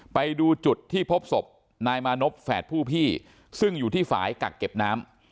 ไปดูจุดที่พบศพนายมานพแฝดผู้พี่ซึ่งอยู่ที่ฝ่ายกักเก็บน้ำ